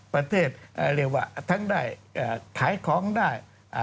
เรียกว่าทั้งได้ขายของได้